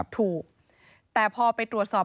ถูกแต่พอไปตรวจสอบ